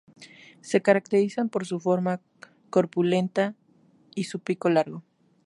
Se caracterizan por su forma corpulenta y su pico largo.